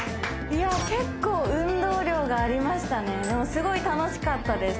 いや結構運動量がありましたねでもすごい楽しかったです